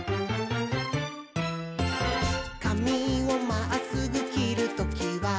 「かみをまっすぐきるときは」